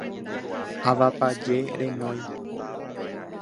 Avapaje renói.